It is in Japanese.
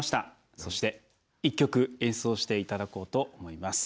そして、１曲演奏していただこうと思います。